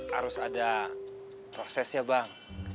harus ada proses ya bang